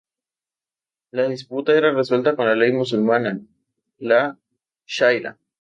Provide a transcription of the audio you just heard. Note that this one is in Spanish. La disputa era resuelta con la ley musulmana, la sharia.